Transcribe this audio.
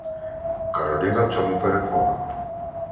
Кароліна в цьому переконана.